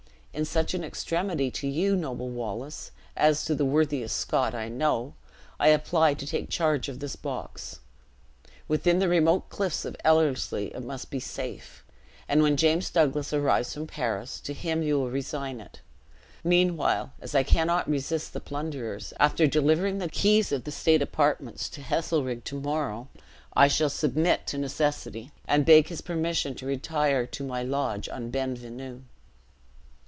In such an extremity, to you, noble Wallace, as to the worthiest Scot I know, I apply to take charge of this box. Within the remote cliffs of Ellerslie it must be safe; and when James Douglas arrives from Paris, to him you will resign it. Meanwhile, as I cannot resist the plunderers, after delivering the keys of the state apartments to Heselrigge to morrow, I shall submit to necessity, and beg his permission to retire to my lodge on Ben Venu."